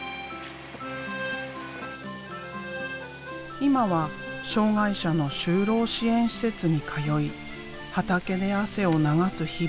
今は障害者の就労支援施設に通い畑で汗を流す日々。